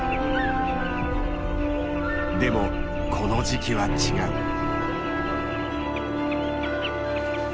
でもこの時期は違う。